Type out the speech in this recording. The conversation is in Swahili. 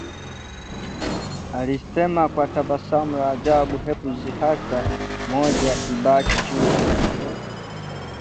Alisema kwa tabasamu la ajabu, Hebu dhihaka moja ibaki juu ya mwingine